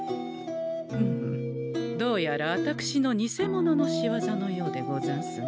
ふむどうやらあたくしのニセモノのしわざのようでござんすね。